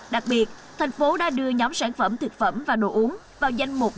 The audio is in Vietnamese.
đặc biệt tp hcm đã đưa nhóm sản phẩm thực phẩm và đồ uống vào danh mục